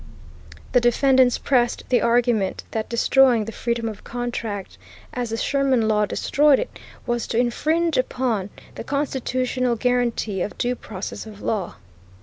The defendants pressed the argument that destroying the freedom of contract, as the Sherman Law destroyed it, was to infringe upon the "constitutional guaranty of due process of law."